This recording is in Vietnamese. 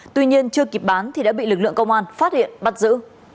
tuy nhiên chưa kịp bán thì đã bị lực lượng công an phát hiện bắt giữ